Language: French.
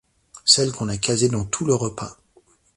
Celle qu'on a casée dans tout le repas.